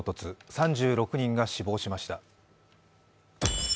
３６人が死亡しました。